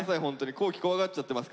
皇輝怖がっちゃってますから。